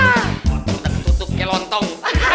waktu udah ketutup kayak lontong